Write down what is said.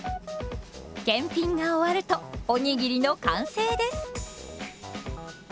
検品が終わるとおにぎりの完成です。